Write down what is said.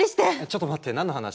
ちょっと待って何の話？